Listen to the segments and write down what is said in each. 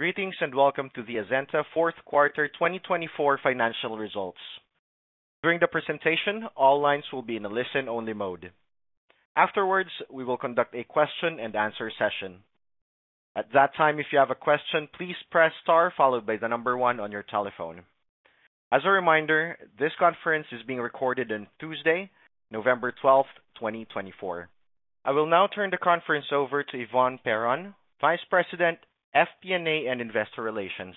Greetings and welcome to the Azenta Fourth Quarter 2024 financial results. During the presentation, all lines will be in a listen-only mode. Afterwards, we will conduct a question-and-answer session. At that time, if you have a question, please press star followed by the number one on your telephone. As a reminder, this conference is being recorded on Tuesday, November 12th, 2024. I will now turn the conference over to Yvonne Perron, Vice President, FP&A and Investor Relations.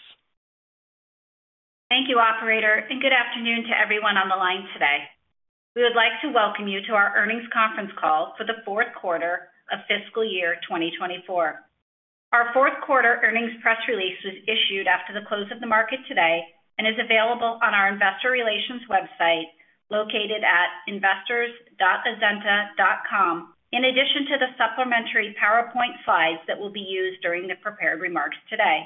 Thank you, Operator, and good afternoon to everyone on the line today. We would like to welcome you to our earnings conference call for the fourth quarter of fiscal year 2024. Our fourth quarter earnings press release was issued after the close of the market today and is available on our investor relations website located at investors.azenta.com, in addition to the supplementary PowerPoint slides that will be used during the prepared remarks today.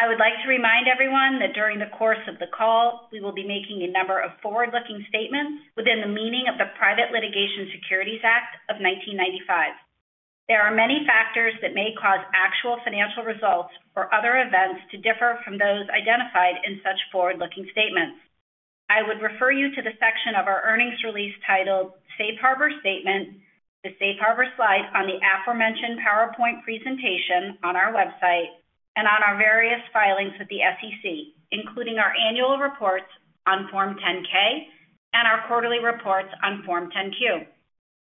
I would like to remind everyone that during the course of the call, we will be making a number of forward-looking statements within the meaning of the Private Litigation Securities Act of 1995. There are many factors that may cause actual financial results or other events to differ from those identified in such forward-looking statements. I would refer you to the section of our earnings release titled Safe Harbor Statement, the Safe Harbor slide on the aforementioned PowerPoint presentation on our website, and on our various filings with the SEC, including our annual reports on Form 10-K and our quarterly reports on Form 10-Q.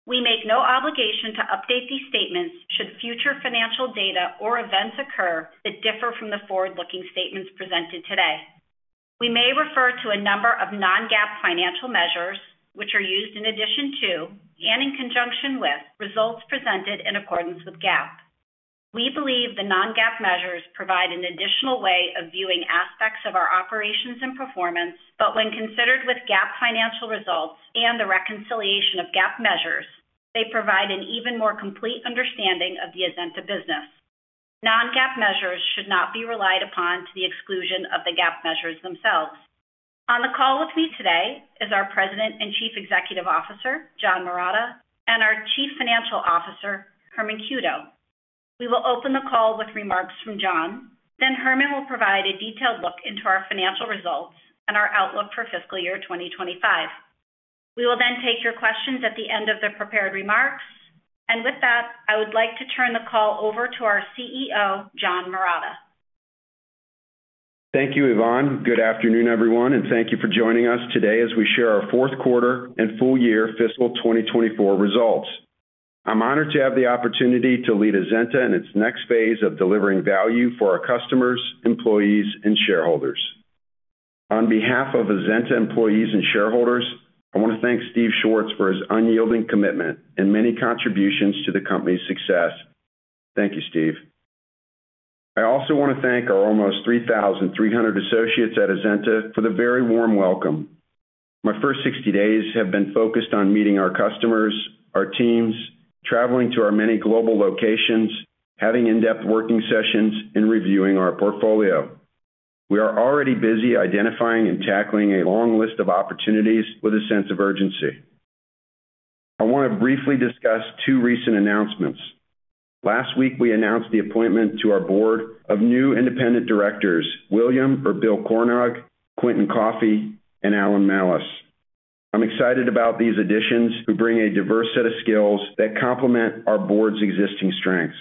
We make no obligation to update these statements should future financial data or events occur that differ from the forward-looking statements presented today. We may refer to a number of non-GAAP financial measures, which are used in addition to, and in conjunction with, results presented in accordance with GAAP. We believe the non-GAAP measures provide an additional way of viewing aspects of our operations and performance, but when considered with GAAP financial results and the reconciliation of GAAP measures, they provide an even more complete understanding of the Azenta business. Non-GAAP measures should not be relied upon to the exclusion of the GAAP measures themselves. On the call with me today is our President and Chief Executive Officer, John Marotta, and our Chief Financial Officer, Herman Cueto. We will open the call with remarks from John, then Herman will provide a detailed look into our financial results and our outlook for fiscal year 2025. We will then take your questions at the end of the prepared remarks, and with that, I would like to turn the call over to our CEO, John Marotta. Thank you, Yvonne. Good afternoon, everyone, and thank you for joining us today as we share our fourth quarter and full year fiscal 2024 results. I'm honored to have the opportunity to lead Azenta in its next phase of delivering value for our customers, employees, and shareholders. On behalf of Azenta employees and shareholders, I want to thank Steve Schwartz for his unyielding commitment and many contributions to the company's success. Thank you, Steve. I also want to thank our almost 3,300 associates at Azenta for the very warm welcome. My first 60 days have been focused on meeting our customers, our teams, traveling to our many global locations, having in-depth working sessions, and reviewing our portfolio. We are already busy identifying and tackling a long list of opportunities with a sense of urgency. I want to briefly discuss two recent announcements. Last week, we announced the appointment to our board of new independent directors, William L. Cornog, Quentin Koffey, and Alan Malus. I'm excited about these additions who bring a diverse set of skills that complement our board's existing strengths.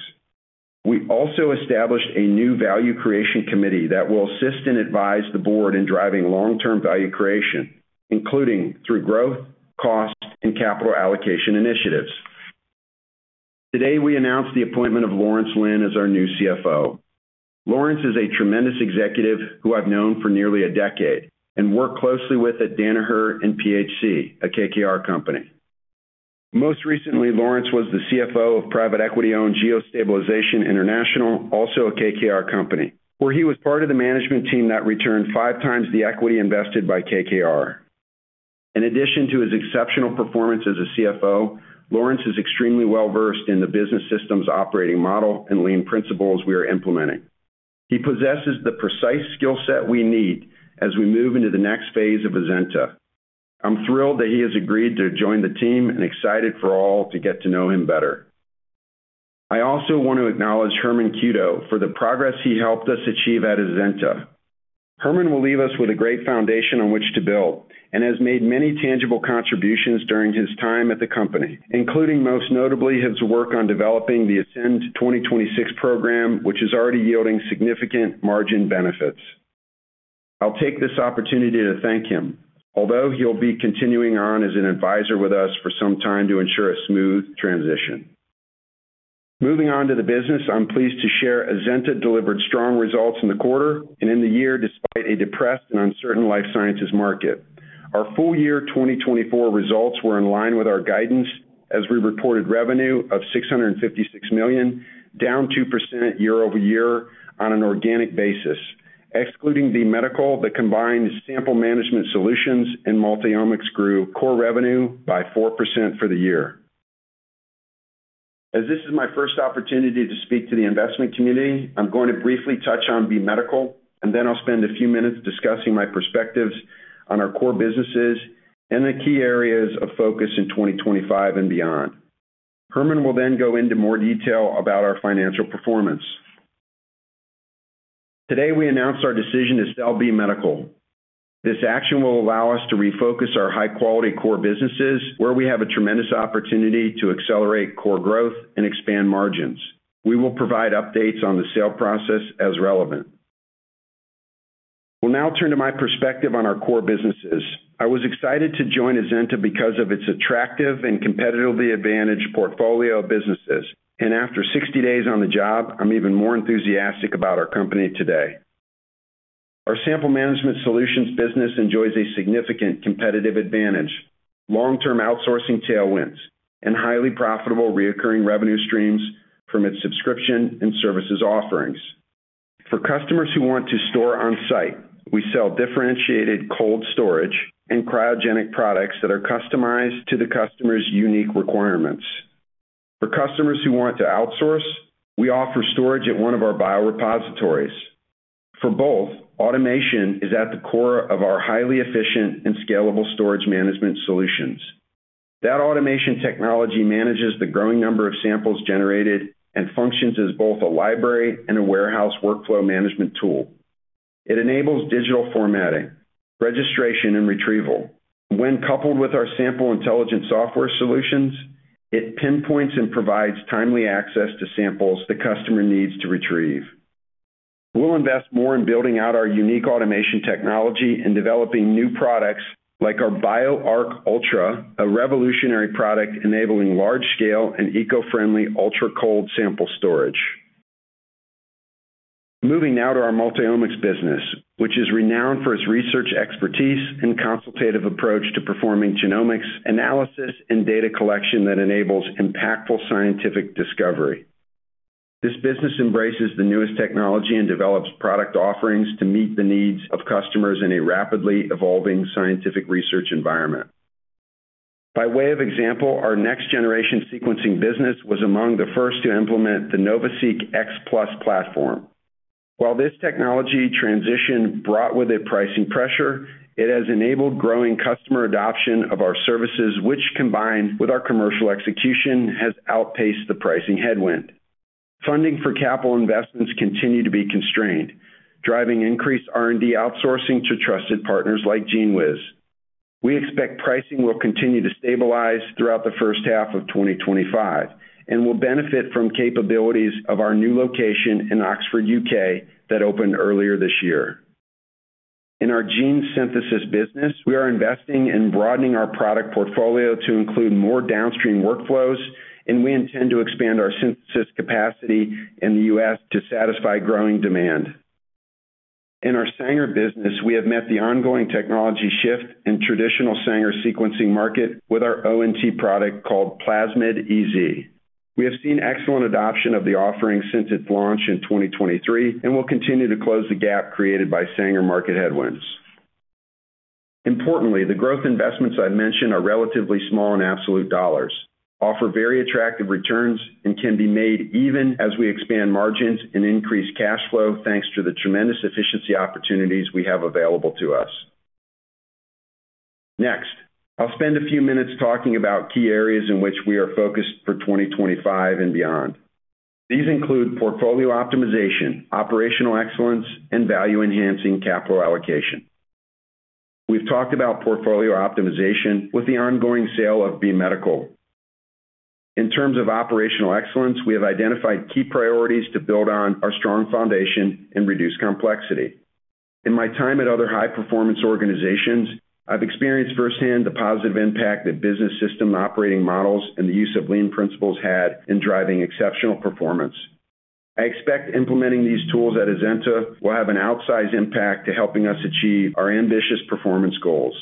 We also established a new value creation committee that will assist and advise the board in driving long-term value creation, including through growth, cost, and capital allocation initiatives. Today, we announced the appointment of Lawrence Lin as our new CFO. Lawrence is a tremendous executive who I've known for nearly a decade and worked closely with at Danaher and PHC, a KKR company. Most recently, Lawrence was the CFO of private equity-owned GeoStabilization International, also a KKR company, where he was part of the management team that returned five times the equity invested by KKR. In addition to his exceptional performance as a CFO, Lawrence is extremely well-versed in the business system's operating model and lean principles we are implementing. He possesses the precise skill set we need as we move into the next phase of Azenta. I'm thrilled that he has agreed to join the team and excited for all to get to know him better. I also want to acknowledge Herman Cueto for the progress he helped us achieve at Azenta. Herman will leave us with a great foundation on which to build and has made many tangible contributions during his time at the company, including most notably his work on developing the Ascend 2026 program, which is already yielding significant margin benefits. I'll take this opportunity to thank him, although he'll be continuing on as an advisor with us for some time to ensure a smooth transition. Moving on to the business, I'm pleased to share Azenta delivered strong results in the quarter and in the year despite a depressed and uncertain life sciences market. Our full year 2024 results were in line with our guidance as we reported revenue of $656 million, down 2% year-over-year on an organic basis, excluding B Medical. That combined sample management solutions and multi-omics grew core revenue by 4% for the year. As this is my first opportunity to speak to the investment community, I'm going to briefly touch on B Medical, and then I'll spend a few minutes discussing my perspectives on our core businesses and the key areas of focus in 2025 and beyond. Herman will then go into more detail about our financial performance. Today, we announced our decision to sell B Medical. This action will allow us to refocus our high-quality core businesses, where we have a tremendous opportunity to accelerate core growth and expand margins. We will provide updates on the sale process as relevant. We'll now turn to my perspective on our core businesses. I was excited to join Azenta because of its attractive and competitively advantaged portfolio of businesses, and after 60 days on the job, I'm even more enthusiastic about our company today. Our sample management solutions business enjoys a significant competitive advantage, long-term outsourcing tailwinds, and highly profitable recurring revenue streams from its subscription and services offerings. For customers who want to store on-site, we sell differentiated cold storage and cryogenic products that are customized to the customer's unique requirements. For customers who want to outsource, we offer storage at one of our biorepositories. For both, automation is at the core of our highly efficient and scalable storage management solutions. That automation technology manages the growing number of samples generated and functions as both a library and a warehouse workflow management tool. It enables digital formatting, registration, and retrieval. When coupled with our sample intelligent software solutions, it pinpoints and provides timely access to samples the customer needs to retrieve. We'll invest more in building out our unique automation technology and developing new products like our BioArc Ultra, a revolutionary product enabling large-scale and eco-friendly ultra-cold sample storage. Moving now to our multi-omics business, which is renowned for its research expertise and consultative approach to performing genomics analysis and data collection that enables impactful scientific discovery. This business embraces the newest technology and develops product offerings to meet the needs of customers in a rapidly evolving scientific research environment. By way of example, our next-generation sequencing business was among the first to implement the NovaSeq X Plus platform. While this technology transition brought with it pricing pressure, it has enabled growing customer adoption of our services, which combined with our commercial execution has outpaced the pricing headwind. Funding for capital investments continue to be constrained, driving increased R&D outsourcing to trusted partners like GENEWIZ. We expect pricing will continue to stabilize throughout the first half of 2025 and will benefit from capabilities of our new location in Oxford, U.K., that opened earlier this year. In our gene synthesis business, we are investing in broadening our product portfolio to include more downstream workflows, and we intend to expand our synthesis capacity in the U.S. to satisfy growing demand. In our Sanger business, we have met the ongoing technology shift in traditional Sanger sequencing market with our ONT product called Plasmid-EZ. We have seen excellent adoption of the offering since its launch in 2023 and will continue to close the gap created by Sanger market headwinds. Importantly, the growth investments I've mentioned are relatively small in absolute dollars, offer very attractive returns, and can be made even as we expand margins and increase cash flow thanks to the tremendous efficiency opportunities we have available to us. Next, I'll spend a few minutes talking about key areas in which we are focused for 2025 and beyond. These include portfolio optimization, operational excellence, and value-enhancing capital allocation. We've talked about portfolio optimization with the ongoing sale of B Medical. In terms of operational excellence, we have identified key priorities to build on our strong foundation and reduce complexity. In my time at other high-performance organizations, I've experienced firsthand the positive impact that business system operating models and the use of lean principles had in driving exceptional performance. I expect implementing these tools at Azenta will have an outsized impact to helping us achieve our ambitious performance goals.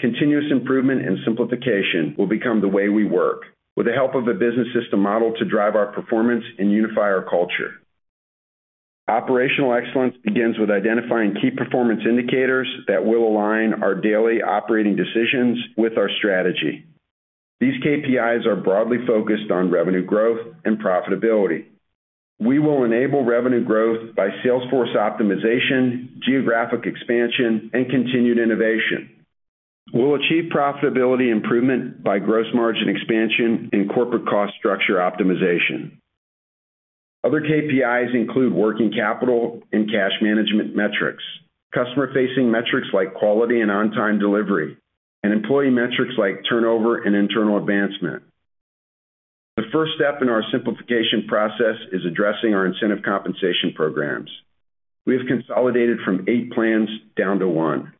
Continuous improvement and simplification will become the way we work, with the help of a business system model to drive our performance and unify our culture. Operational excellence begins with identifying key performance indicators that will align our daily operating decisions with our strategy. These KPIs are broadly focused on revenue growth and profitability. We will enable revenue growth by sales force optimization, geographic expansion, and continued innovation. We'll achieve profitability improvement by gross margin expansion and corporate cost structure optimization. Other KPIs include working capital and cash management metrics, customer-facing metrics like quality and on-time delivery, and employee metrics like turnover and internal advancement. The first step in our simplification process is addressing our incentive compensation programs. We have consolidated from eight plans down to one.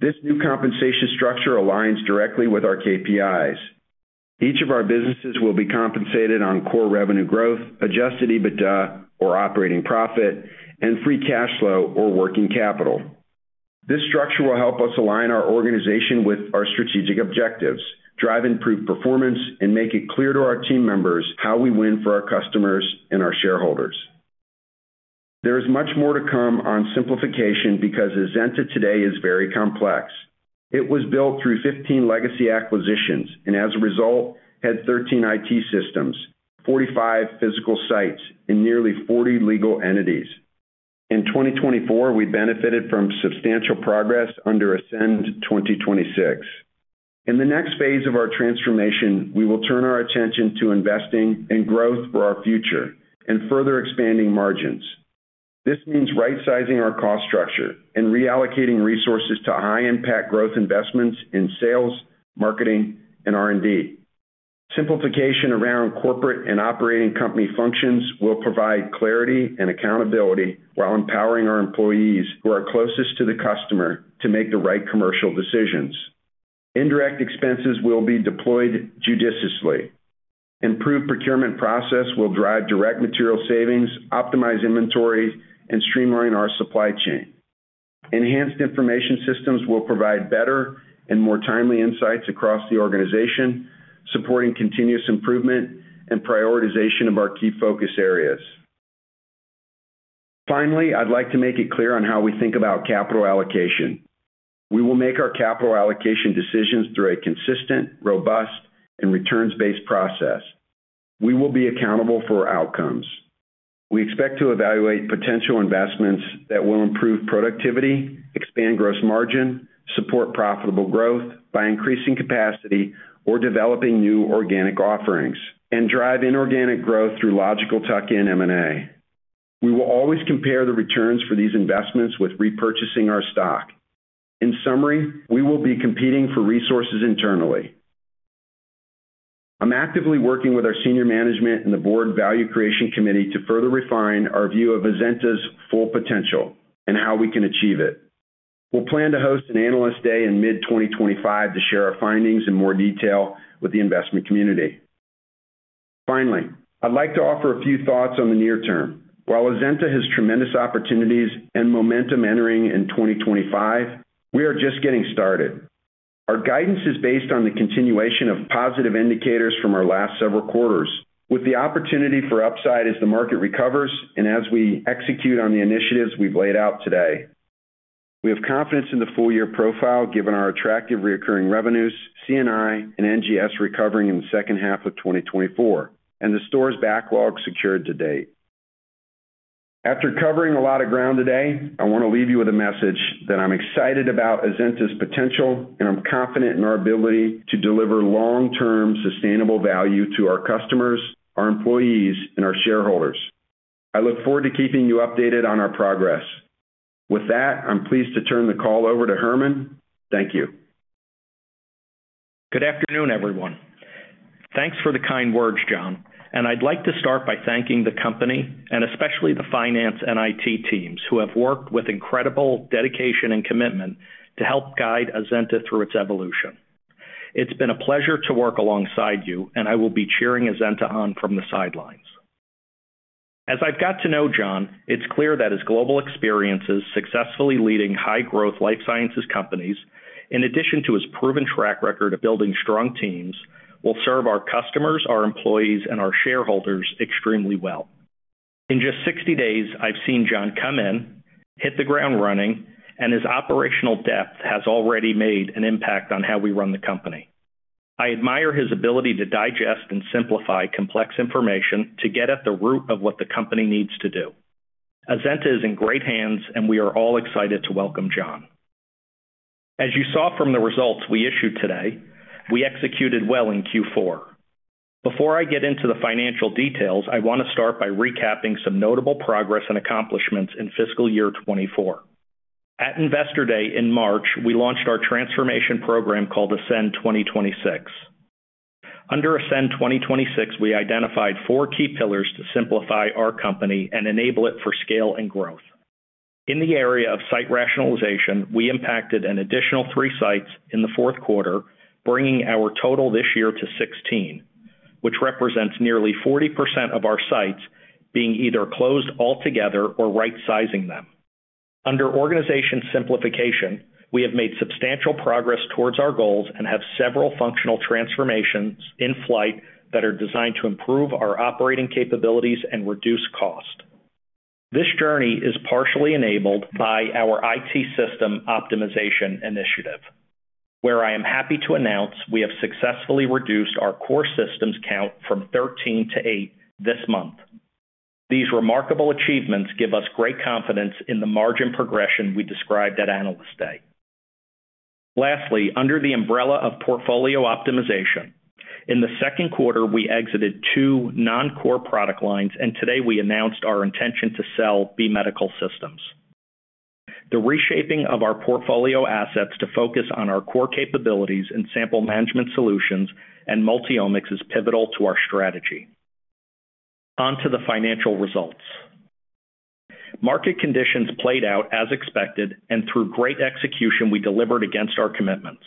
This new compensation structure aligns directly with our KPIs. Each of our businesses will be compensated on core revenue growth, Adjusted EBITDA or operating profit, and free cash flow or working capital. This structure will help us align our organization with our strategic objectives, drive improved performance, and make it clear to our team members how we win for our customers and our shareholders. There is much more to come on simplification because Azenta today is very complex. It was built through 15 legacy acquisitions and, as a result, had 13 IT systems, 45 physical sites, and nearly 40 legal entities. In 2024, we benefited from substantial progress under Ascend 2026. In the next phase of our transformation, we will turn our attention to investing in growth for our future and further expanding margins. This means right-sizing our cost structure and reallocating resources to high-impact growth investments in sales, marketing, and R&D. Simplification around corporate and operating company functions will provide clarity and accountability while empowering our employees who are closest to the customer to make the right commercial decisions. Indirect expenses will be deployed judiciously. Improved procurement process will drive direct material savings, optimize inventory, and streamline our supply chain. Enhanced information systems will provide better and more timely insights across the organization, supporting continuous improvement and prioritization of our key focus areas. Finally, I'd like to make it clear on how we think about capital allocation. We will make our capital allocation decisions through a consistent, robust, and returns-based process. We will be accountable for our outcomes. We expect to evaluate potential investments that will improve productivity, expand gross margin, support profitable growth by increasing capacity or developing new organic offerings, and drive inorganic growth through logical tuck-in M&A. We will always compare the returns for these investments with repurchasing our stock. In summary, we will be competing for resources internally. I'm actively working with our senior management and the board value creation committee to further refine our view of Azenta's full potential and how we can achieve it. We'll plan to host an analyst day in mid-2025 to share our findings in more detail with the investment community. Finally, I'd like to offer a few thoughts on the near term. While Azenta has tremendous opportunities and momentum entering in 2025, we are just getting started. Our guidance is based on the continuation of positive indicators from our last several quarters, with the opportunity for upside as the market recovers and as we execute on the initiatives we've laid out today. We have confidence in the full year profile given our attractive recurring revenues, C&I, and NGS recovering in the second half of 2024, and the storage's backlog secured to date. After covering a lot of ground today, I want to leave you with a message that I'm excited about Azenta's potential and I'm confident in our ability to deliver long-term sustainable value to our customers, our employees, and our shareholders. I look forward to keeping you updated on our progress. With that, I'm pleased to turn the call over to Herman. Thank you. Good afternoon, everyone. Thanks for the kind words, John. I'd like to start by thanking the company and especially the finance and IT teams who have worked with incredible dedication and commitment to help guide Azenta through its evolution. It's been a pleasure to work alongside you, and I will be cheering Azenta on from the sidelines. As I've got to know John, it's clear that his global experiences successfully leading high-growth life sciences companies, in addition to his proven track record of building strong teams, will serve our customers, our employees, and our shareholders extremely well. In just 60 days, I've seen John come in, hit the ground running, and his operational depth has already made an impact on how we run the company. I admire his ability to digest and simplify complex information to get at the root of what the company needs to do. Azenta is in great hands, and we are all excited to welcome John. As you saw from the results we issued today, we executed well in Q4. Before I get into the financial details, I want to start by recapping some notable progress and accomplishments in fiscal year 2024. At Investor Day in March, we launched our transformation program called Ascend 2026. Under Ascend 2026, we identified four key pillars to simplify our company and enable it for scale and growth. In the area of site rationalization, we impacted an additional three sites in the fourth quarter, bringing our total this year to 16, which represents nearly 40% of our sites being either closed altogether or right-sizing them. Under organization simplification, we have made substantial progress towards our goals and have several functional transformations in flight that are designed to improve our operating capabilities and reduce cost. This journey is partially enabled by our IT system optimization initiative, where I am happy to announce we have successfully reduced our core systems count from 13 to eight this month. These remarkable achievements give us great confidence in the margin progression we described at Analyst Day. Lastly, under the umbrella of portfolio optimization, in the second quarter, we exited two non-core product lines, and today we announced our intention to sell B Medical Systems. The reshaping of our portfolio assets to focus on our core capabilities and sample management solutions and multi-omics is pivotal to our strategy. On to the financial results. Market conditions played out as expected, and through great execution, we delivered against our commitments.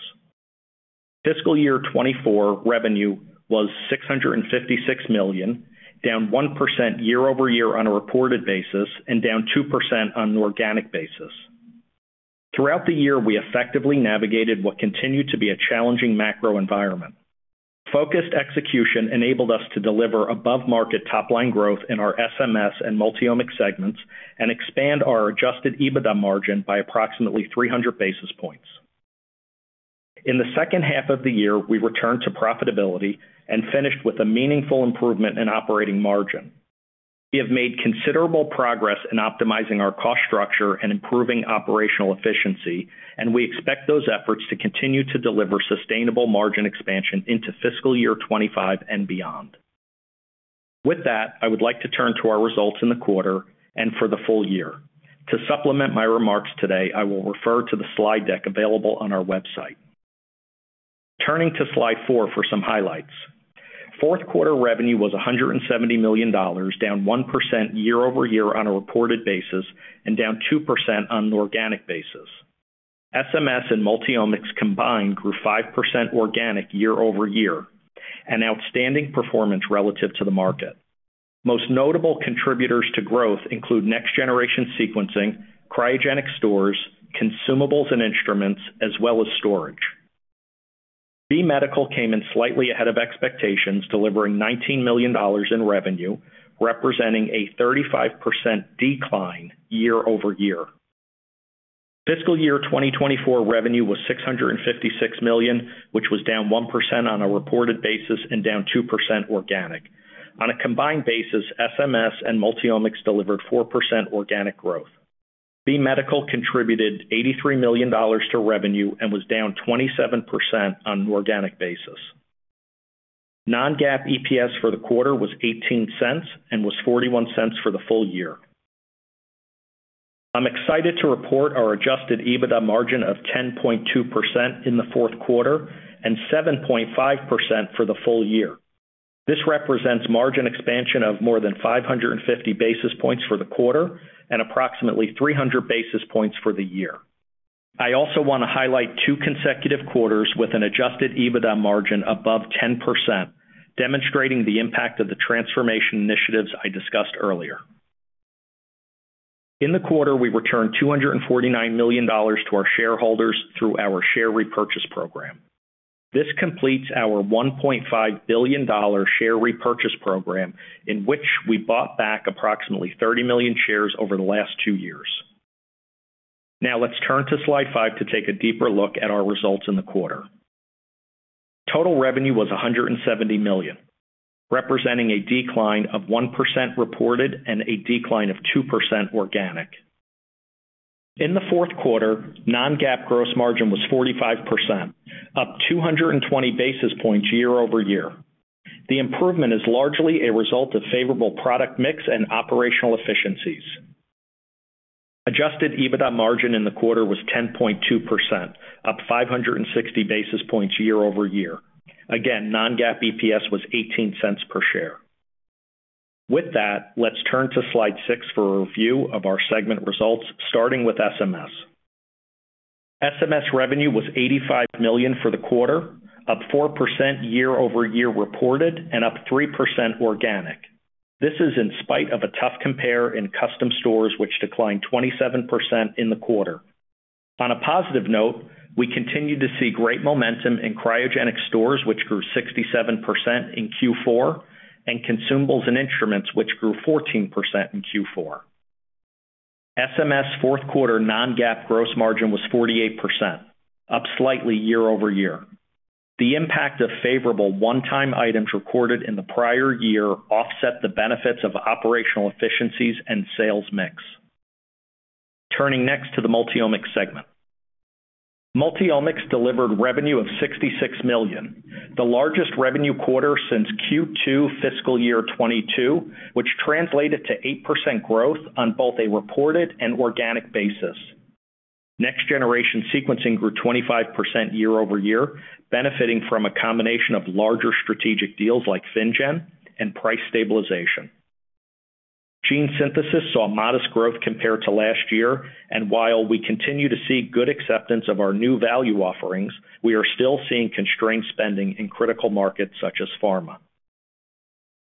Fiscal year 2024 revenue was $656 million, down 1% year-over-year on a reported basis and down 2% on an organic basis. Throughout the year, we effectively navigated what continued to be a challenging macro environment. Focused execution enabled us to deliver above-market top-line growth in our SMS and multi-omics segments and expand our Adjusted EBITDA margin by approximately 300 basis points. In the second half of the year, we returned to profitability and finished with a meaningful improvement in operating margin. We have made considerable progress in optimizing our cost structure and improving operational efficiency, and we expect those efforts to continue to deliver sustainable margin expansion into fiscal year 2025 and beyond. With that, I would like to turn to our results in the quarter and for the full year. To supplement my remarks today, I will refer to the slide deck available on our website. Turning to slide four for some highlights. Fourth quarter revenue was $170 million, down 1% year-over-year on a reported basis and down 2% on an organic basis. SMS and multi-omics combined grew 5% organic year-over-year, an outstanding performance relative to the market. Most notable contributors to growth include next-generation sequencing, cryogenic stores, consumables and instruments, as well as storage. B Medical came in slightly ahead of expectations, delivering $19 million in revenue, representing a 35% decline year-over-year. Fiscal year 2024 revenue was $656 million, which was down 1% on a reported basis and down 2% organic. On a combined basis, SMS and multi-omics delivered 4% organic growth. B Medical contributed $83 million to revenue and was down 27% on an organic basis. Non-GAAP EPS for the quarter was $0.18 and was $0.41 for the full year. I'm excited to report our adjusted EBITDA margin of 10.2% in the fourth quarter and 7.5% for the full year. This represents margin expansion of more than 550 basis points for the quarter and approximately 300 basis points for the year. I also want to highlight two consecutive quarters with an adjusted EBITDA margin above 10%, demonstrating the impact of the transformation initiatives I discussed earlier. In the quarter, we returned $249 million to our shareholders through our share repurchase program. This completes our $1.5 billion share repurchase program, in which we bought back approximately 30 million shares over the last two years. Now let's turn to slide five to take a deeper look at our results in the quarter. Total revenue was $170 million, representing a decline of 1% reported and a decline of 2% organic. In the fourth quarter, non-GAAP gross margin was 45%, up 220 basis points year-over-year. The improvement is largely a result of favorable product mix and operational efficiencies. Adjusted EBITDA margin in the quarter was 10.2%, up 560 basis points year-over-year. Again, non-GAAP EPS was $0.18 per share. With that, let's turn to slide six for a review of our segment results, starting with SMS. SMS revenue was $85 million for the quarter, up 4% year-over-year reported and up 3% organic. This is in spite of a tough compare in custom stores, which declined 27% in the quarter. On a positive note, we continue to see great momentum in cryogenic stores, which grew 67% in Q4, and consumables and instruments, which grew 14% in Q4. SMS fourth quarter non-GAAP gross margin was 48%, up slightly year-over-year. The impact of favorable one-time items recorded in the prior year offset the benefits of operational efficiencies and sales mix. Turning next to the multi-omics segment. Multi-omics delivered revenue of $66 million, the largest revenue quarter since Q2 fiscal year 2022, which translated to 8% growth on both a reported and organic basis. Next-generation sequencing grew 25% year-over-year, benefiting from a combination of larger strategic deals like FinnGen and price stabilization. Gene synthesis saw modest growth compared to last year, and while we continue to see good acceptance of our new value offerings, we are still seeing constrained spending in critical markets such as pharma.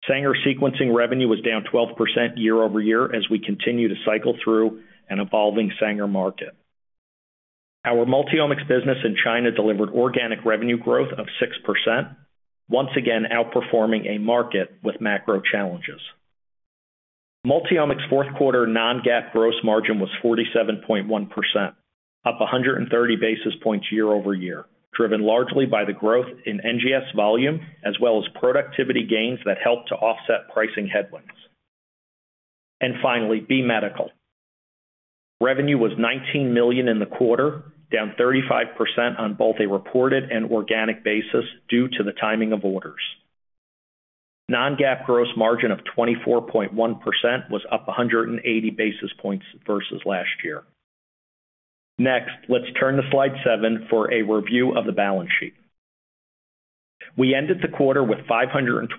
Sanger sequencing revenue was down 12% year-over-year as we continue to cycle through an evolving Sanger market. Our multi-omics business in China delivered organic revenue growth of 6%, once again outperforming a market with macro challenges. Multi-omics fourth quarter non-GAAP gross margin was 47.1%, up 130 basis points year-over-year, driven largely by the growth in NGS volume as well as productivity gains that helped to offset pricing headwinds. And finally, B Medical. Revenue was $19 million in the quarter, down 35% on both a reported and organic basis due to the timing of orders. Non-GAAP gross margin of 24.1% was up 180 basis points versus last year. Next, let's turn to slide seven for a review of the balance sheet. We ended the quarter with $522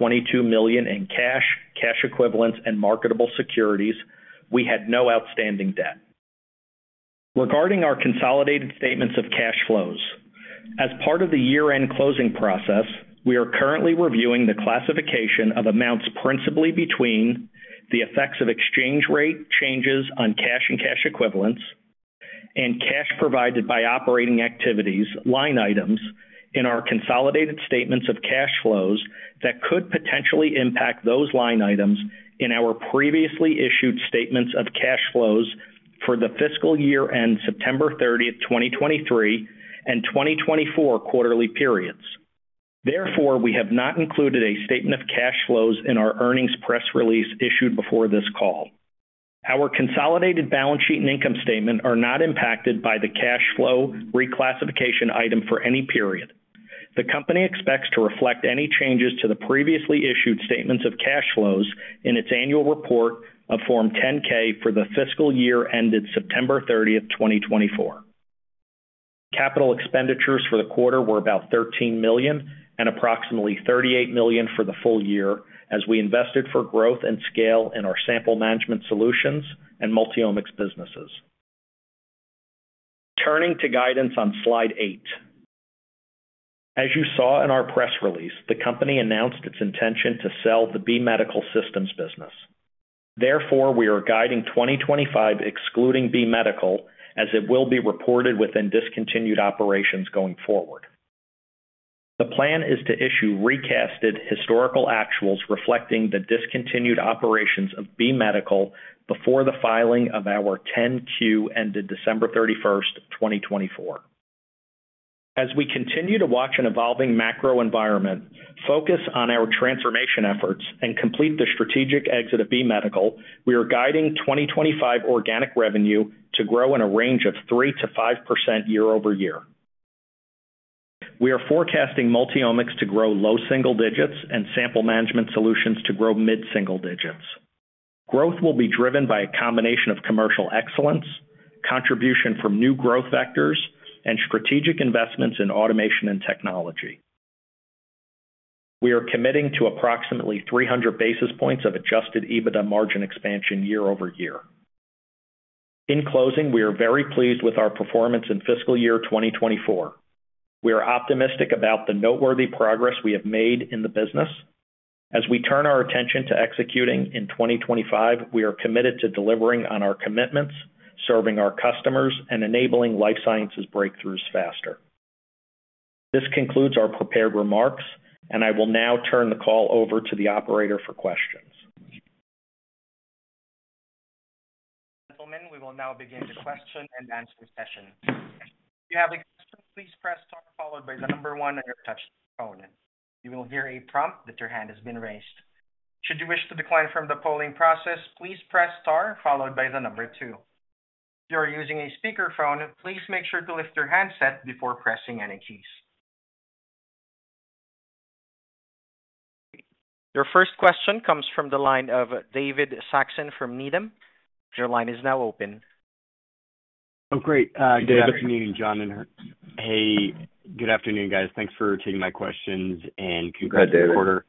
million in cash, cash equivalents, and marketable securities. We had no outstanding debt. Regarding our consolidated statements of cash flows, as part of the year-end closing process, we are currently reviewing the classification of amounts principally between the effects of exchange rate changes on cash and cash equivalents, and cash provided by operating activities, line items in our consolidated statements of cash flows that could potentially impact those line items in our previously issued statements of cash flows for the fiscal year-end September 30, 2023, and 2024 quarterly periods. Therefore, we have not included a statement of cash flows in our earnings press release issued before this call. Our consolidated balance sheet and income statement are not impacted by the cash flow reclassification item for any period. The company expects to reflect any changes to the previously issued statements of cash flows in its annual report of Form 10-K for the fiscal year ended September 30th, 2024. Capital expenditures for the quarter were about $13 million and approximately $38 million for the full year as we invested for growth and scale in our sample management solutions and multi-omics businesses. Turning to guidance on slide eight. As you saw in our press release, the company announced its intention to sell the B Medical Systems business. Therefore, we are guiding 2025 excluding B Medical Systems as it will be reported within discontinued operations going forward. The plan is to issue recast historical actuals reflecting the discontinued operations of B Medical before the filing of our 10-Q ended December 31st, 2024. As we continue to watch an evolving macro environment, focus on our transformation efforts, and complete the strategic exit of B Medical, we are guiding 2025 organic revenue to grow in a range of 3%-5% year-over-year. We are forecasting Multi-omics to grow low single digits and Sample Management Solutions to grow mid-single digits. Growth will be driven by a combination of commercial excellence, contribution from new growth vectors, and strategic investments in automation and technology. We are committing to approximately 300 basis points of Adjusted EBITDA margin expansion year-over-year. In closing, we are very pleased with our performance in fiscal year 2024. We are optimistic about the noteworthy progress we have made in the business. As we turn our attention to executing in 2025, we are committed to delivering on our commitments, serving our customers, and enabling life sciences breakthroughs faster. This concludes our prepared remarks, and I will now turn the call over to the operator for questions. Gentlemen, we will now begin the question and answer session. If you have a question, please press star followed by the number one on your touch-tone phone. You will hear a prompt that your hand has been raised. Should you wish to decline from the polling process, please press star followed by the number two. If you are using a speakerphone, please make sure to lift your handset before pressing any keys. Your first question comes from the line of David Saxon from Needham. Your line is now open. Oh, great. Good afternoon, John. And hey, good afternoon, guys. Thanks for taking my questions and congratulations for the quarter.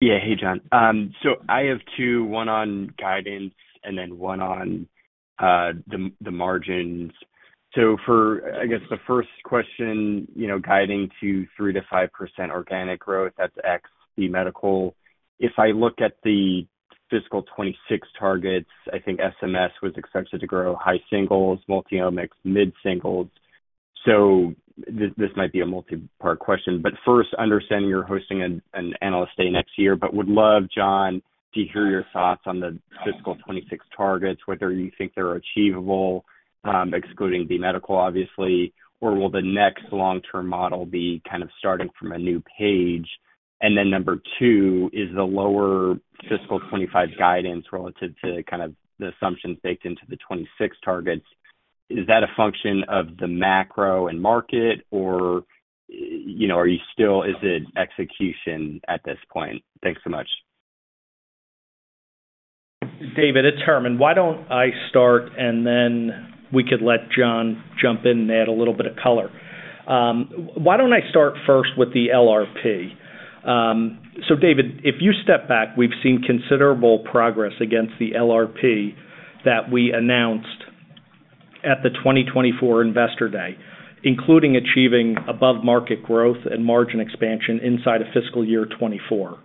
Yeah, hey, John. So I have two, one on guidance and then one on the margins. So for, I guess, the first question, guiding to 3%-5% organic growth, that's ex B Medical. If I look at the fiscal 2026 targets, I think SMS was expected to grow high singles, multi-omics, mid-singles. So this might be a multi-part question. But first, understanding you're hosting an analyst day next year, but would love, John, to hear your thoughts on the fiscal 2026 targets, whether you think they're achievable, excluding B Medical, obviously, or will the next long-term model be kind of starting from a new page? Then number two, is the lower fiscal 2025 guidance relative to kind of the assumptions baked into the 2026 targets, is that a function of the macro and market, or are you still, is it execution at this point? Thanks so much. David, it's Herman. Why don't I start, and then we could let John jump in and add a little bit of color? Why don't I start first with the LRP? So David, if you step back, we've seen considerable progress against the LRP that we announced at the 2024 Investor Day, including achieving above-market growth and margin expansion inside of fiscal year 2024.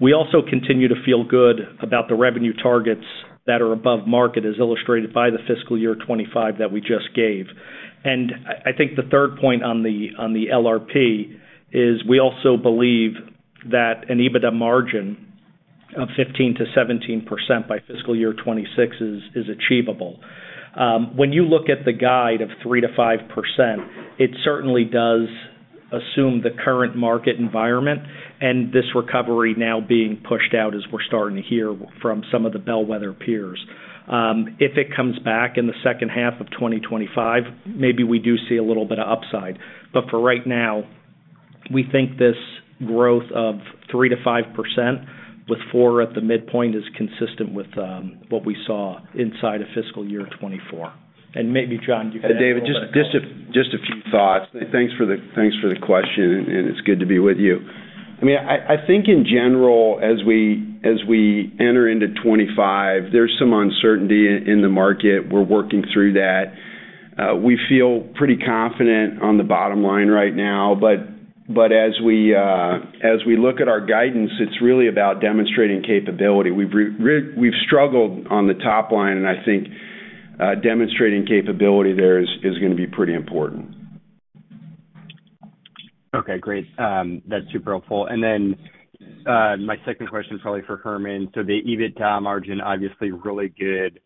We also continue to feel good about the revenue targets that are above market, as illustrated by the fiscal year 2025 that we just gave. And I think the third point on the LRP is we also believe that an EBITDA margin of 15%-17% by fiscal year 2026 is achievable. When you look at the guide of 3%-5%, it certainly does assume the current market environment and this recovery now being pushed out as we're starting to hear from some of the bellwether peers. If it comes back in the second half of 2025, maybe we do see a little bit of upside. But for right now, we think this growth of 3%-5% with 4% at the midpoint is consistent with what we saw inside of fiscal year 2024. And maybe, John, you can add to that. David, just a few thoughts. Thanks for the question, and it's good to be with you. I mean, I think in general, as we enter into 2025, there's some uncertainty in the market. We're working through that. We feel pretty confident on the bottom line right now. But as we look at our guidance, it's really about demonstrating capability. We've struggled on the top line, and I think demonstrating capability there is going to be pretty important. Okay, great. That's super helpful. And then my second question probably for Herman. So the EBITDA margin, obviously really good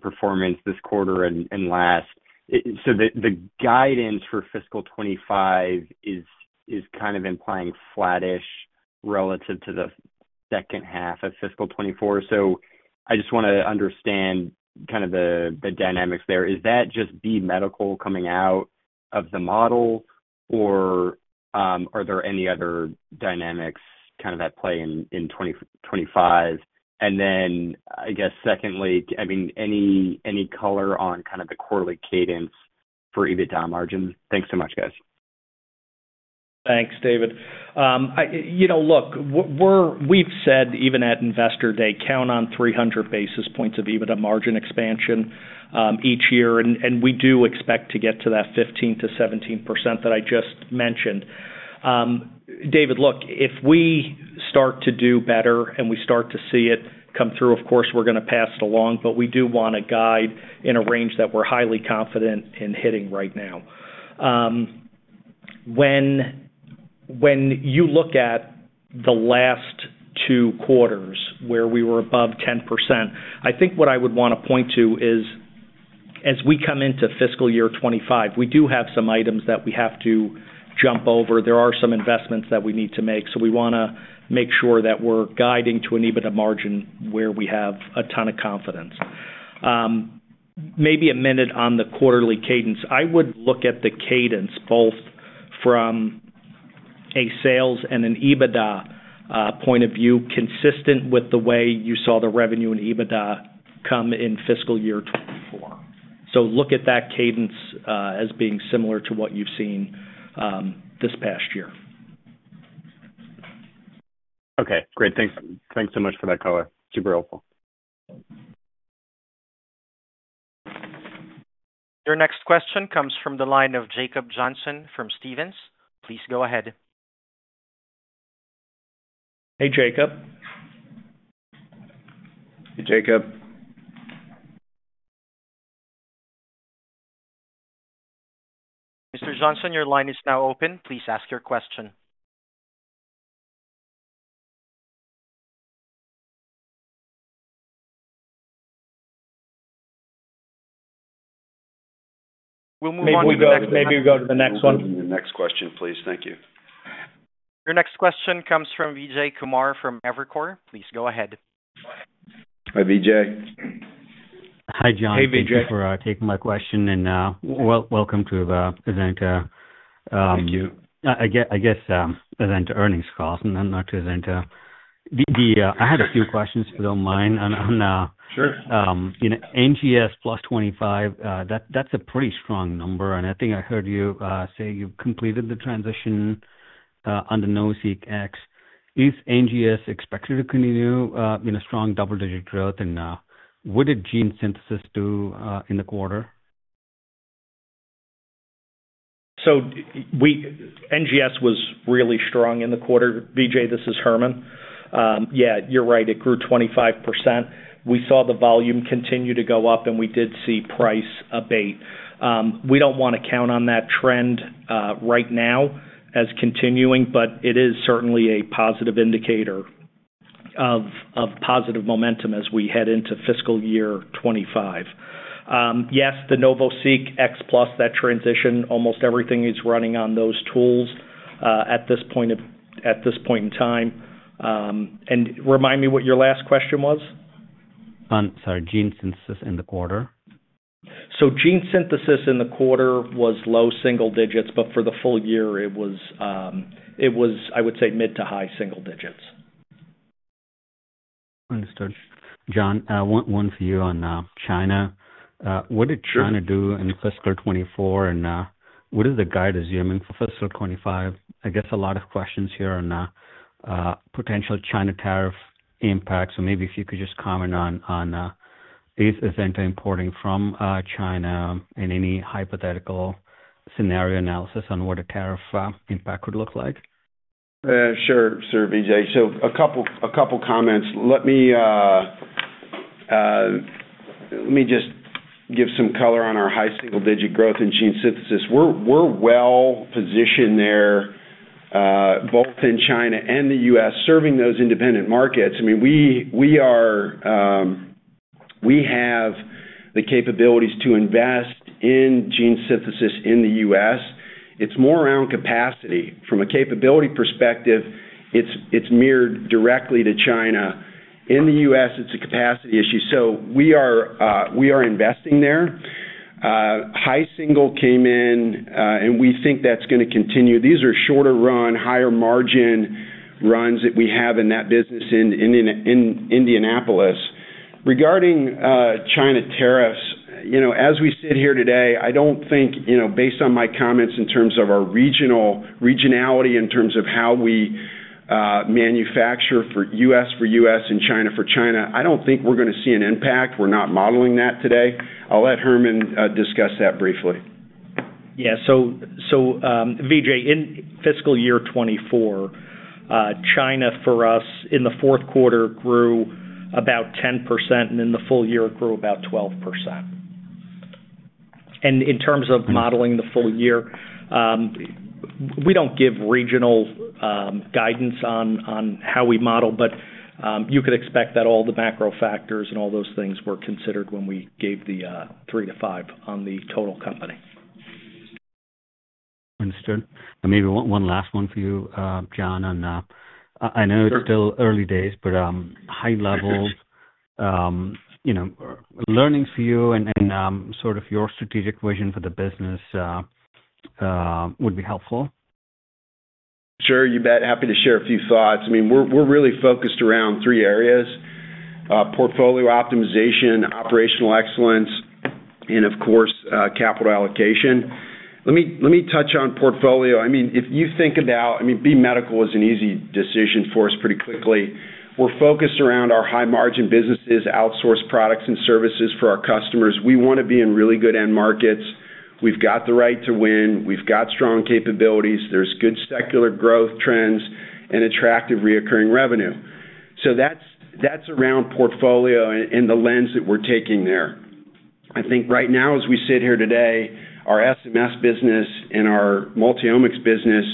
performance this quarter and last. So the guidance for fiscal 2025 is kind of implying flattish relative to the second half of fiscal 2024. So I just want to understand kind of the dynamics there. Is that just B Medical coming out of the model, or are there any other dynamics kind of at play in 2025? And then, I guess, secondly, I mean, any color on kind of the quarterly cadence for EBITDA margin? Thanks so much, guys. Thanks, David. Look, we've said even at Investor Day, count on 300 basis points of EBITDA margin expansion each year, and we do expect to get to that 15%-17% that I just mentioned. David, look, if we start to do better and we start to see it come through, of course, we're going to pass it along, but we do want to guide in a range that we're highly confident in hitting right now. When you look at the last two quarters where we were above 10%, I think what I would want to point to is, as we come into fiscal year 2025, we do have some items that we have to jump over. There are some investments that we need to make. So we want to make sure that we're guiding to an EBITDA margin where we have a ton of confidence. Maybe a minute on the quarterly cadence. I would look at the cadence both from a sales and an EBITDA point of view, consistent with the way you saw the revenue and EBITDA come in fiscal year 2024. So look at that cadence as being similar to what you've seen this past year. Okay, great. Thanks so much for that color. Super helpful. Your next question comes from the line of Jacob Johnson from Stephens. Please go ahead. Hey, Jacob. Hey, Jacob. Mr. Johnson, your line is now open. Please ask your question. We'll move on to the next question. Maybe we go to the next one. Maybe we go to the next question, please. Thank you. Your next question comes from Vijay Kumar from Evercore. Please go ahead. Hi, Vijay. Hi, John. Thank you for taking my question and welcome to the event. Thank you. I guess it's an earnings call and not an event. I had a few questions, if you don't mind. Sure. NGS plus 25%, that's a pretty strong number. And I think I heard you say you've completed the transition under NovaSeq X. Is NGS expected to continue in a strong double-digit growth? And what did Gene Synthesis do in the quarter? So NGS was really strong in the quarter. Vijay, this is Herman. Yeah, you're right. It grew 25%. We saw the volume continue to go up, and we did see price abate. We don't want to count on that trend right now as continuing, but it is certainly a positive indicator of positive momentum as we head into fiscal year 2025. Yes, the NovaSeq X Plus, that transition, almost everything is running on those tools at this point in time. And remind me what your last question was? Sorry, Gene Synthesis in the quarter? So Gene Synthesis in the quarter was low single digits, but for the full year, it was, I would say, mid to high single digits. Understood. John, one for you on China. What did China do in fiscal 2024? And what is the guide assuming for fiscal 2025? I guess a lot of questions here on potential China tariff impacts. So maybe if you could just comment on Azenta importing from China and any hypothetical scenario analysis on what a tariff impact would look like. Sure, sir, Vijay. So a couple of comments. Let me just give some color on our high single-digit growth in Gene Synthesis. We're well positioned there, both in China and the U.S., serving those independent markets. I mean, we have the capabilities to invest in Gene Synthesis in the U.S. It's more around capacity. From a capability perspective, it's mirrored directly to China. In the U.S., it's a capacity issue. So we are investing there. High single came in, and we think that's going to continue. These are shorter run, higher margin runs that we have in that business in Indianapolis. Regarding China tariffs, as we sit here today, I don't think, based on my comments in terms of our regionality, in terms of how we manufacture for U.S. for U.S. and China for China, I don't think we're going to see an impact. We're not modeling that today. I'll let Herman discuss that briefly. Yeah. Vijay, in fiscal year 2024, China for us in the fourth quarter grew about 10%, and in the full year, it grew about 12%. In terms of modeling the full year, we don't give regional guidance on how we model, but you could expect that all the macro factors and all those things were considered when we gave the 3% to 5% on the total company. Understood, and maybe one last one for you, John. I know it's still early days, but high-level learnings for you and sort of your strategic vision for the business would be helpful. Sure, you bet. Happy to share a few thoughts. I mean, we're really focused around three areas: portfolio optimization, operational excellence, and, of course, capital allocation. Let me touch on portfolio. I mean, if you think about, I mean, B Medical was an easy decision for us pretty quickly. We're focused around our high-margin businesses, outsourced products and services for our customers. We want to be in really good end markets. We've got the right to win. We've got strong capabilities. There's good secular growth trends and attractive recurring revenue. So that's around portfolio and the lens that we're taking there. I think right now, as we sit here today, our SMS business and our multi-omics business,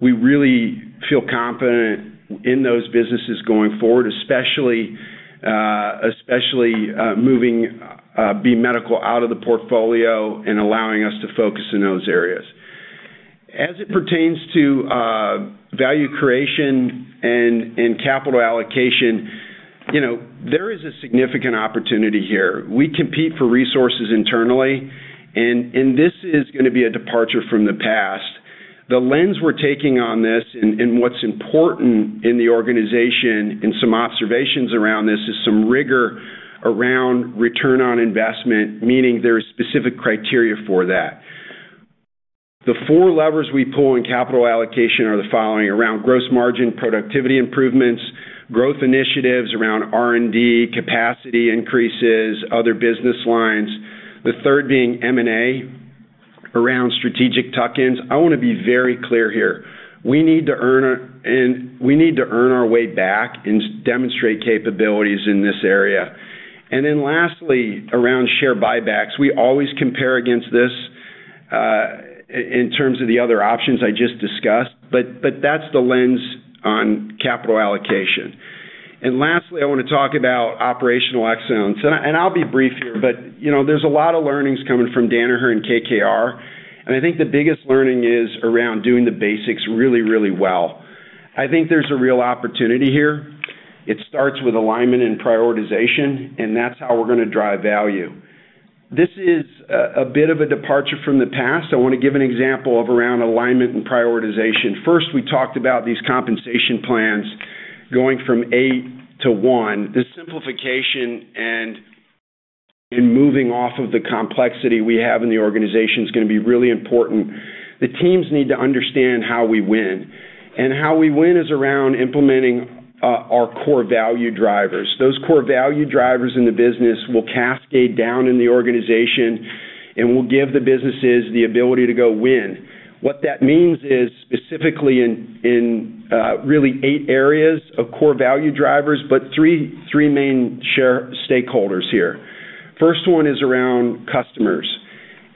we really feel confident in those businesses going forward, especially moving B Medical out of the portfolio and allowing us to focus in those areas. As it pertains to value creation and capital allocation, there is a significant opportunity here. We compete for resources internally, and this is going to be a departure from the past. The lens we're taking on this and what's important in the organization and some observations around this is some rigor around return on investment, meaning there are specific criteria for that. The four levers we pull in capital allocation are the following: around gross margin productivity improvements, growth initiatives around R&D, capacity increases, other business lines. The third being M&A around strategic tuck-ins. I want to be very clear here. We need to earn our way back and demonstrate capabilities in this area. And then lastly, around share buybacks, we always compare against this in terms of the other options I just discussed, but that's the lens on capital allocation. And lastly, I want to talk about operational excellence. And I'll be brief here, but there's a lot of learnings coming from Danaher and KKR. And I think the biggest learning is around doing the basics really, really well. I think there's a real opportunity here. It starts with alignment and prioritization, and that's how we're going to drive value. This is a bit of a departure from the past. I want to give an example of around alignment and prioritization. First, we talked about these compensation plans going from eight to one. This simplification and moving off of the complexity we have in the organization is going to be really important. The teams need to understand how we win. And how we win is around implementing our core value drivers. Those core value drivers in the business will cascade down in the organization and will give the businesses the ability to go win. What that means is specifically in really eight areas of core value drivers, but three main stakeholders here. First one is around customers,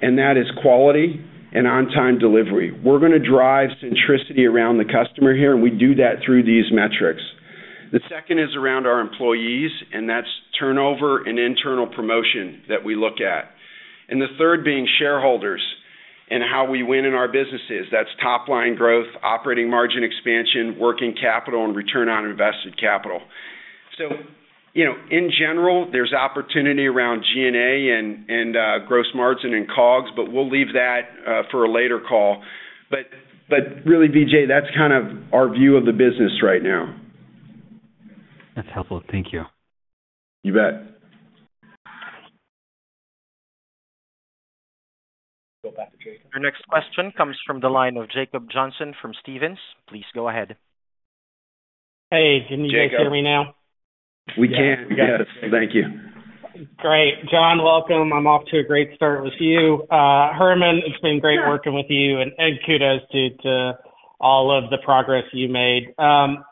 and that is quality and on-time delivery. We're going to drive centricity around the customer here, and we do that through these metrics. The second is around our employees, and that's turnover and internal promotion that we look at, and the third being shareholders and how we win in our businesses. That's top-line growth, operating margin expansion, working capital, and return on invested capital, so in general, there's opportunity around G&A and gross margin and COGS, but we'll leave that for a later call, but really, Vijay, that's kind of our view of the business right now. That's helpful. Thank you. You bet. Our next question comes from the line of Jacob Johnson from Stephens. Please go ahead. Hey, can you guys hear me now? We can. Yes. Thank you. Great. John, welcome. I'm off to a great start with you. Herman, it's been great working with you, and kudos to all of the progress you made.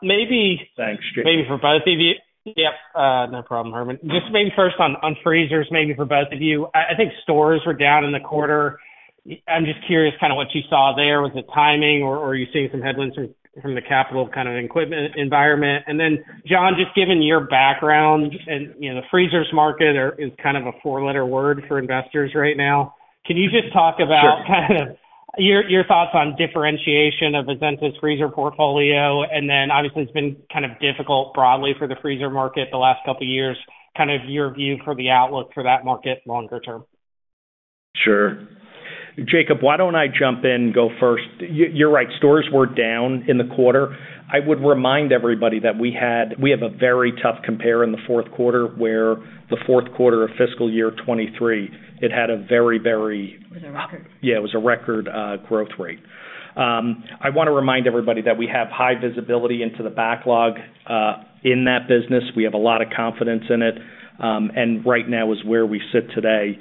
Maybe for both of you. Yeah, no problem, Herman. Just maybe first on freezers, maybe for both of you. I think stores were down in the quarter. I'm just curious kind of what you saw there. Was it timing, or are you seeing some headwinds from the capital kind of equipment environment? And then, John, just given your background, the freezers market is kind of a four-letter word for investors right now. Can you just talk about kind of your thoughts on differentiation of Azenta's freezer portfolio? And then, obviously, it's been kind of difficult broadly for the freezer market the last couple of years. Kind of your view for the outlook for that market longer term? Sure. Jacob, why don't I jump in and go first? You're right. Stores were down in the quarter. I would remind everybody that we have a very tough compare in the fourth quarter where the fourth quarter of fiscal year 2023, it had a very, very—it was a record. Yeah, it was a record growth rate. I want to remind everybody that we have high visibility into the backlog in that business. We have a lot of confidence in it. And right now is where we sit today.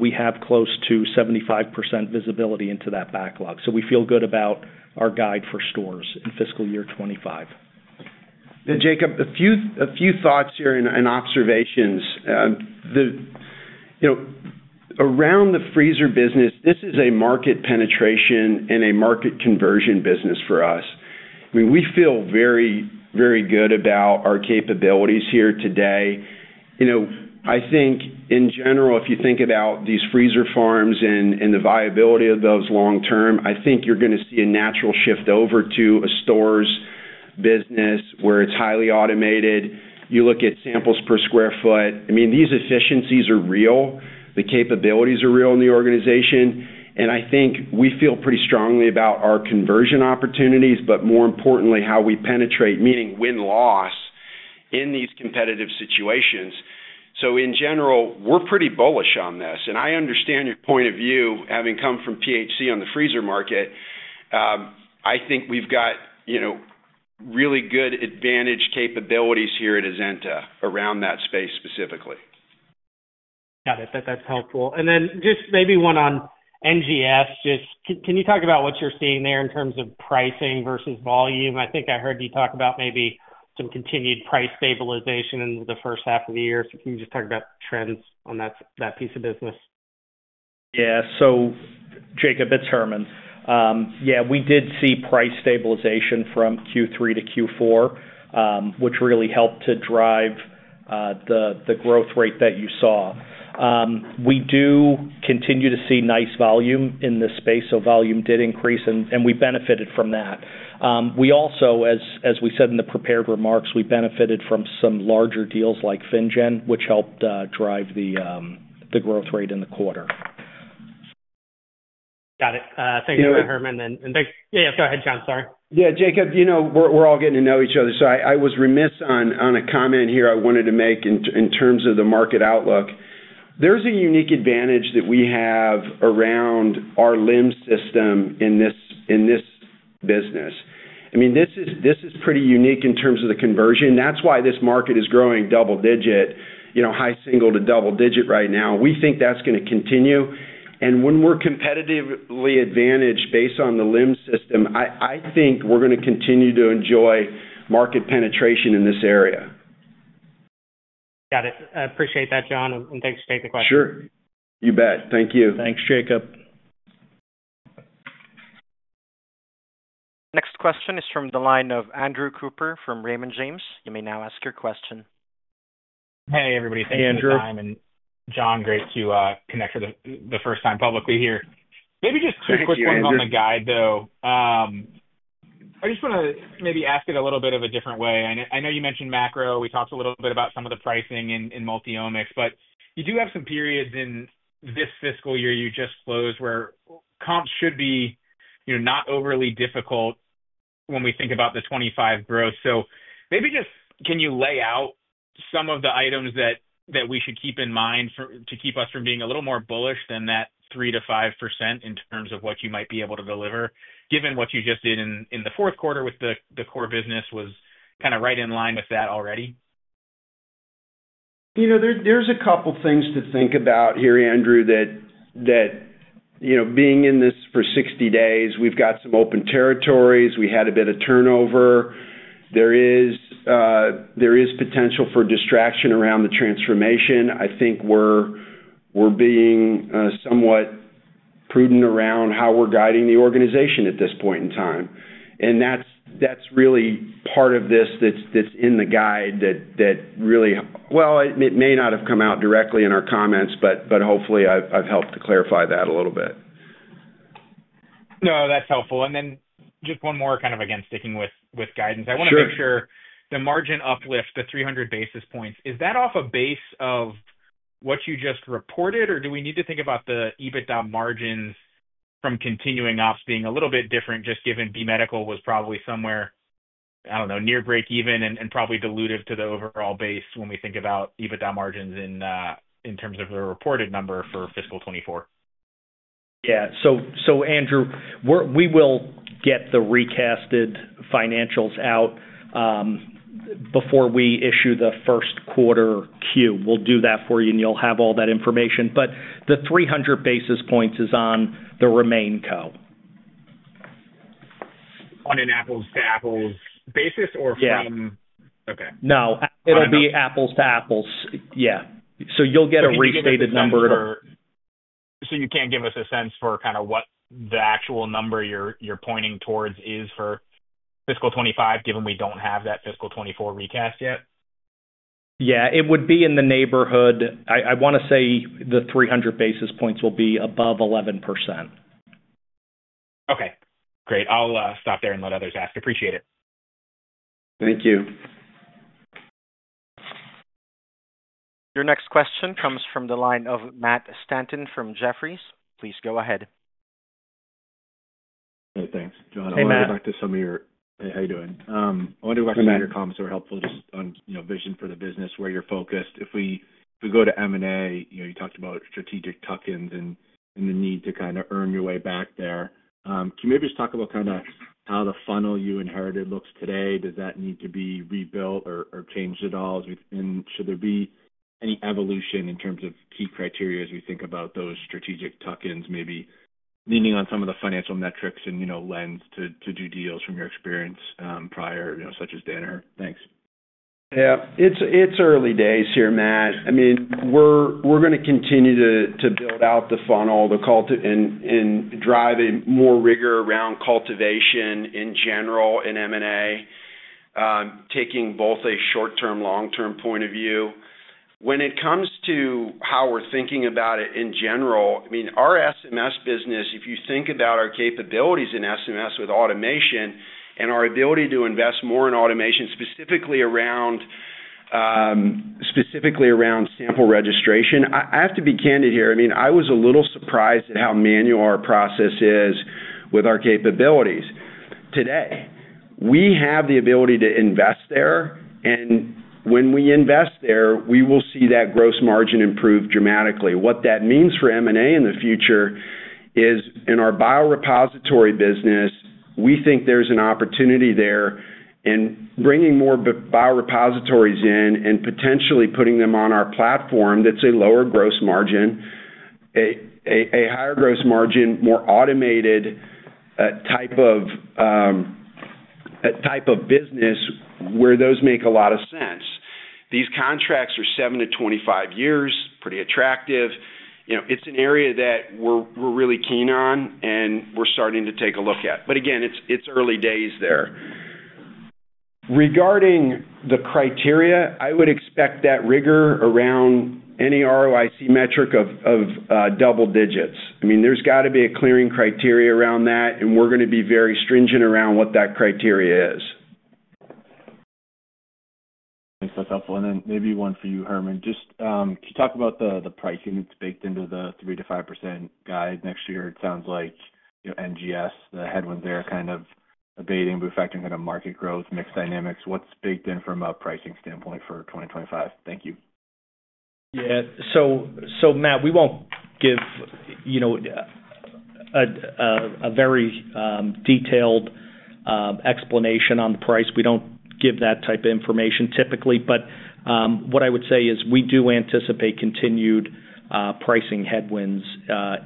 We have close to 75% visibility into that backlog. So we feel good about our guide for stores in fiscal year 2025. Jacob, a few thoughts here and observations. Around the freezer business, this is a market penetration and a market conversion business for us. I mean, we feel very, very good about our capabilities here today. I think, in general, if you think about these freezer farms and the viability of those long-term, I think you're going to see a natural shift over to a storage business where it's highly automated. You look at samples per square foot. I mean, these efficiencies are real. The capabilities are real in the organization. And I think we feel pretty strongly about our conversion opportunities, but more importantly, how we penetrate, meaning win-loss in these competitive situations. So in general, we're pretty bullish on this. And I understand your point of view, having come from PHC on the freezer market. I think we've got really good advantage capabilities here at Azenta around that space specifically. Got it. That's helpful. And then just maybe one on NGS. Just can you talk about what you're seeing there in terms of pricing versus volume? I think I heard you talk about maybe some continued price stabilization into the first half of the year. So can you just talk about trends on that piece of business? Yeah. So, Jacob, it's Herman. Yeah, we did see price stabilization from Q3 to Q4, which really helped to drive the growth rate that you saw. We do continue to see nice volume in this space. So volume did increase, and we benefited from that. We also, as we said in the prepared remarks, we benefited from some larger deals like FinnGen, which helped drive the growth rate in the quarter. Got it. Thank you for that, Herman. And then, yeah, go ahead, John. Sorry. Yeah, Jacob, we're all getting to know each other. So I was remiss on a comment here I wanted to make in terms of the market outlook. There's a unique advantage that we have around our LIMS system in this business. I mean, this is pretty unique in terms of the conversion. That's why this market is growing double-digit, high single- to double-digit right now. We think that's going to continue. And when we're competitively advantaged based on the LIMS system, I think we're going to continue to enjoy market penetration in this area. Got it. I appreciate that, John. And thanks for taking the question. Sure. You bet. Thank you. Thanks, Jacob. Next question is from the line of Andrew Cooper from Raymond James. You may now ask your question. Hey, everybody. Thank you for your time. And John, great to connect for the first time publicly here. Maybe just two quick ones on the guide, though. I just want to maybe ask it a little bit of a different way. I know you mentioned macro. We talked a little bit about some of the pricing in multi-omics, but you do have some periods in this fiscal year you just closed where comps should be not overly difficult when we think about the 2025 growth. So maybe just can you lay out some of the items that we should keep in mind to keep us from being a little more bullish than that 3%-5% in terms of what you might be able to deliver, given what you just did in the fourth quarter with the core business was kind of right in line with that already? There's a couple of things to think about here, Andrew, that being in this for 60 days, we've got some open territories. We had a bit of turnover. There is potential for distraction around the transformation. I think we're being somewhat prudent around how we're guiding the organization at this point in time. And that's really part of this that's in the guide that really, well, it may not have come out directly in our comments, but hopefully, I've helped to clarify that a little bit. No, that's helpful. And then just one more kind of, again, sticking with guidance. I want to make sure the margin uplift, the 300 basis points, is that off a base of what you just reported, or do we need to think about the EBITDA margins from continuing ops being a little bit different just given B Medical was probably somewhere, I don't know, near break-even and probably dilutive to the overall base when we think about EBITDA margins in terms of the reported number for fiscal 2024? Yeah. So, Andrew, we will get the recast financials out before we issue the first quarter Q. We'll do that for you, and you'll have all that information. But the 300 basis points is on the remaining count. On an apples-to-apples basis or from, yeah. Okay. No, it'll be apples-to-apples. Yeah. So you'll get a restated number. So you can't give us a sense for kind of what the actual number you're pointing towards is for fiscal 2025, given we don't have that fiscal 2024 recast yet? Yeah. It would be in the neighborhood. I want to say the 300 basis points will be above 11%. Okay. Great. I'll stop there and let others ask. Appreciate it. Thank you. Your next question comes from the line of Matt Stanton from Jefferies. Please go ahead. Hey, thanks. John, I want to go back to some of your, hey, how you doing? I want to go back to some of your comments that were helpful just on vision for the business, where you're focused. If we go to M&A, you talked about strategic tuck-ins and the need to kind of earn your way back there. Can you maybe just talk about kind of how the funnel you inherited looks today? Does that need to be rebuilt or changed at all? And should there be any evolution in terms of key criteria as we think about those strategic tuck-ins, maybe leaning on some of the financial metrics and lens to do deals from your experience prior, such as Danaher? Thanks. Yeah. It's early days here, Matt. I mean, we're going to continue to build out the funnel and drive more rigor around cultivation in general in M&A, taking both a short-term, long-term point of view. When it comes to how we're thinking about it in general, I mean, our SMS business, if you think about our capabilities in SMS with automation and our ability to invest more in automation specifically around sample registration, I have to be candid here. I mean, I was a little surprised at how manual our process is with our capabilities today. We have the ability to invest there. And when we invest there, we will see that gross margin improve dramatically. What that means for M&A in the future is, in our biorepository business, we think there's an opportunity there in bringing more biorepositories in and potentially putting them on our platform that's a lower gross margin, a higher gross margin, more automated type of business where those make a lot of sense. These contracts are 7-25 years, pretty attractive. It's an area that we're really keen on, and we're starting to take a look at. But again, it's early days there. Regarding the criteria, I would expect that rigor around any ROIC metric of double digits. I mean, there's got to be a clearing criteria around that, and we're going to be very stringent around what that criteria is. Thanks. That's helpful. And then maybe one for you, Herman. Just can you talk about the pricing that's baked into the 3%-5% guide next year? It sounds like NGS, the headwinds there, kind of abating by affecting kind of market growth, mixed dynamics. What's baked in from a pricing standpoint for 2025? Thank you. Yeah. So, Matt, we won't give a very detailed explanation on the price. We don't give that type of information typically. But what I would say is we do anticipate continued pricing headwinds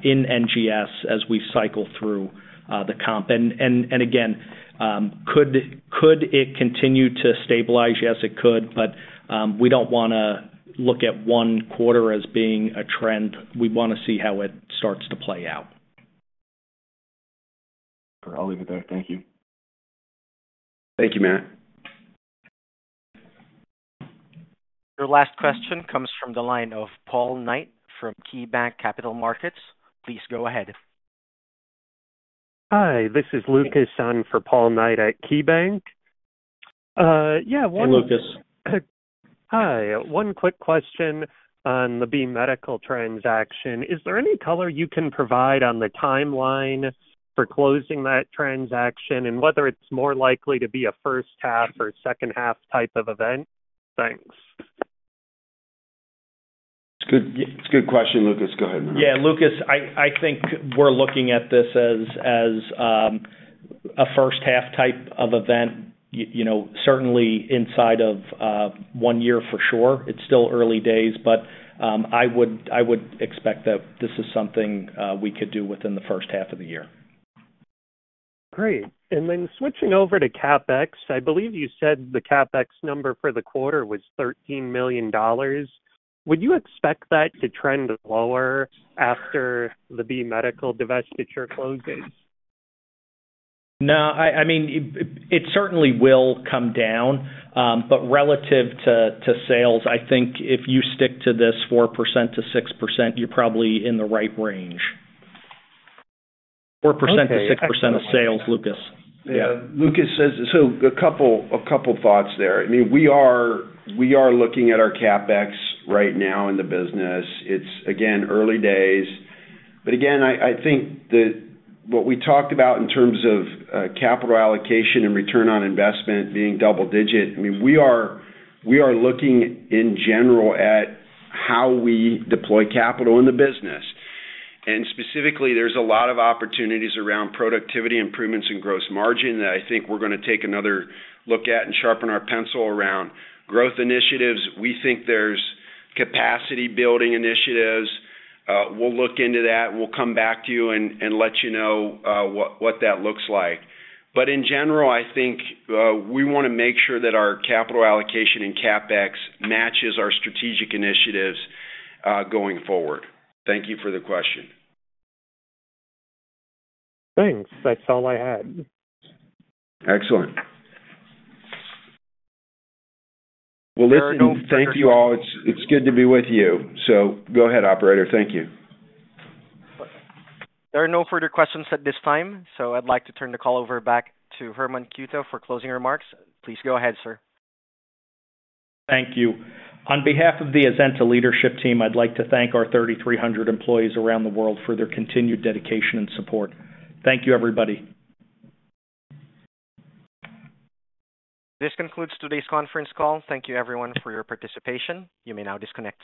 in NGS as we cycle through the comp. And again, could it continue to stabilize? Yes, it could. But we don't want to look at one quarter as being a trend. We want to see how it starts to play out. I'll leave it there. Thank you. Thank you, Matt. Your last question comes from the line of Paul Knight from KeyBanc Capital Markets. Please go ahead. Hi. This is Lucas Baranowski for Paul Knight at KeyBanc. Yeah. Hey, Lucas. Hi. One quick question on the B Medical transaction. Is there any color you can provide on the timeline for closing that transaction and whether it's more likely to be a first-half or second-half type of event? Thanks. It's a good question, Lucas. Go ahead, Matt. Yeah, Lucas, I think we're looking at this as a first-half type of event, certainly inside of one year for sure. It's still early days, but I would expect that this is something we could do within the first half of the year. Great. And then switching over to CapEx, I believe you said the CapEx number for the quarter was $13 million. Would you expect that to trend lower after the B Medical divestiture closes? No. I mean, it certainly will come down. But relative to sales, I think if you stick to this 4%-6%, you're probably in the right range. 4%-6% of sales, Lucas. Yeah. Lucas says, so a couple of thoughts there. I mean, we are looking at our CapEx right now in the business. It's, again, early days. But again, I think what we talked about in terms of capital allocation and return on investment being double-digit. I mean, we are looking in general at how we deploy capital in the business. And specifically, there's a lot of opportunities around productivity improvements and gross margin that I think we're going to take another look at and sharpen our pencil around growth initiatives. We think there's capacity-building initiatives. We'll look into that. We'll come back to you and let you know what that looks like. But in general, I think we want to make sure that our capital allocation and CapEx matches our strategic initiatives going forward. Thank you for the question. Thanks. That's all I had. Excellent. Well, listen, thank you all. It's good to be with you. So go ahead, operator. Thank you. There are no further questions at this time. So I'd like to turn the call over back to Herman Cueto for closing remarks. Please go ahead, sir. Thank you. On behalf of the Azenta leadership team, I'd like to thank our 3,300 employees around the world for their continued dedication and support. Thank you, everybody. This concludes today's conference call. Thank you, everyone, for your participation. You may now disconnect.